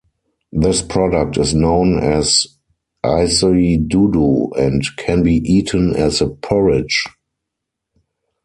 This product is known as isidudu and can be eaten as a porridge.